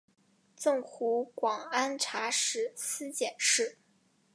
赠湖广按察使司佥事。